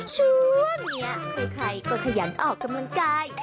ช่วงนี้ใครก็ขยันออกกำลังกาย